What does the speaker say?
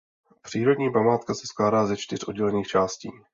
Přírodní památka se skládá ze čtyř oddělených částí.